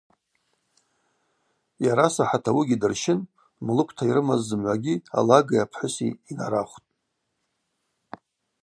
Йарасахӏат ауыгьи дырщын млыквта йрымаз зымгӏвагьи алаги йпхӏвыси йнарахвтӏ.